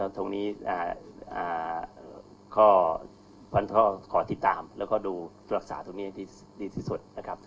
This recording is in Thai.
ตรงนี้ข้อขอติดตามแล้วก็ดูรักษาตรงนี้ที่ดีที่สุดนะครับ